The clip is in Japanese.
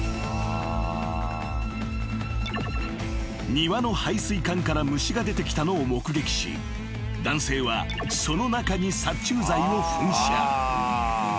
［庭の排水管から虫が出てきたのを目撃し男性はその中に殺虫剤を噴射］